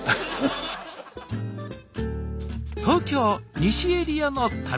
東京西エリアの旅。